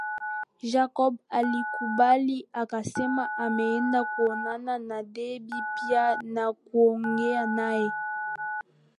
Jacob alikubali akasema ameenda kuonana na Debby pia na kuongea nae